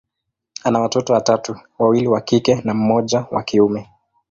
ana watoto watatu, wawili wa kike na mmoja wa kiume.